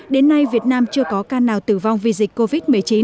đến nay việt nam chưa có ca nào tử vong vì dịch covid một mươi chín